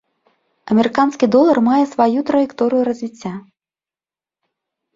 Амерыканскі долар мае сваю траекторыя развіцця.